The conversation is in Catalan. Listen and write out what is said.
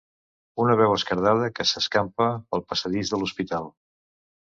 Una veu esquerdada que s'escampa pel passadís de l'hospital.